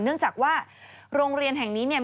เนื่องจากว่าโรงเรียนแห่งนี้เนี่ย